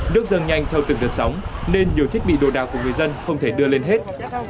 được dần nhanh theo từng đợt sóng nên nhiều thiết bị đồ đào của người dân không thể đưa lên hết